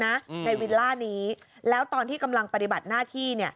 ในวิลล่านี้แล้วตอนที่กำลังปฏิบัติหน้าที่